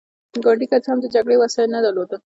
ګاندي که څه هم د جګړې وسايل نه درلودل.